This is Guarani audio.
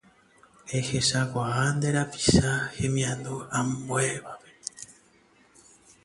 Ehechakuaa nde rapicha hemiandu ambuévape.